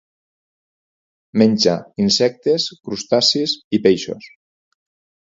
Menja insectes, crustacis i peixos.